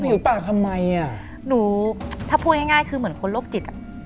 ผิวปากทำไมอ่ะหนูถ้าพูดง่ายง่ายคือเหมือนคนโรคจิตอ่ะ